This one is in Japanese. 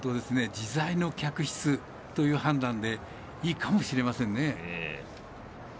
自在の脚質という判断でいいかもしれませんね。